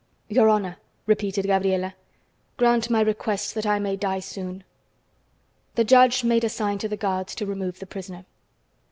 "Your honor," repeated Gabriela, "grant my request that I may die soon." The judge made a sign to the guards to remove the prisoner.